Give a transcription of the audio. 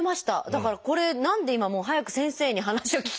だからこれ何で今もう早く先生に話を聞きたくって。